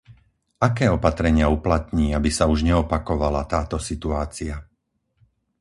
Aké opatrenia uplatní, aby sa už neopakovala táto situácia?